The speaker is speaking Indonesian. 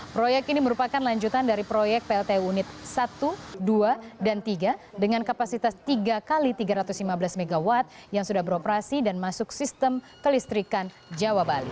proyek ini merupakan lanjutan dari proyek pltu unit satu dua dan tiga dengan kapasitas tiga x tiga ratus lima belas mw yang sudah beroperasi dan masuk sistem kelistrikan jawa bali